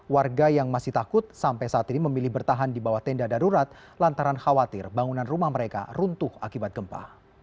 warga yang masih takut sampai saat ini memilih bertahan di bawah tenda darurat lantaran khawatir bangunan rumah mereka runtuh akibat gempa